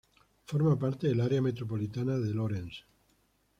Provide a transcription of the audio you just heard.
Forma parte del área metropolitana de Lawrence.